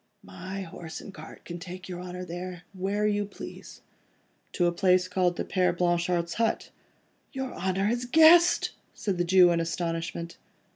"My horse and cart can take your Honour there, where you please." "To a place called the Père Blanchard's hut?" "Your Honour has guessed?" said the Jew in astonishment.